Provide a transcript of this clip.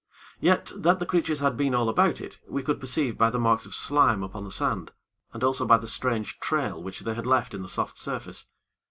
Yet, that the creatures had been all about it, we could perceive by the marks of slime upon the sand, and also by the strange trail which they had left in the soft surface.